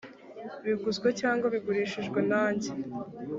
biguzwe cyangwa bigurishijwe nanjye